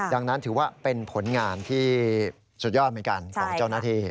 ดังนั้นถือว่าเป็นผลงานที่สุดยอดเหมือนกันของเจ้าหน้าที่